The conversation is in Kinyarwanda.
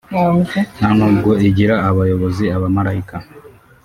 nta nubwo igira abayobozi abamarayika